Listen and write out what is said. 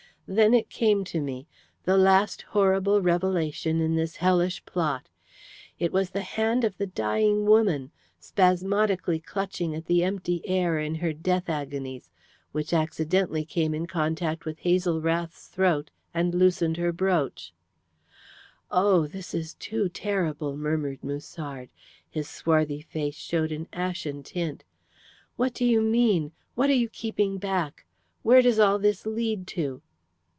Then it came to me the last horrible revelation in this hellish plot. It was the hand of the dying woman, spasmodically clutching at the empty air in her death agonies, which accidentally came in contact with Hazel Rath's throat, and loosened her brooch." "Oh, this is too terrible," murmured Musard. His swarthy face showed an ashen tint. "What do you mean? What are you keeping back? Where does all this lead to?"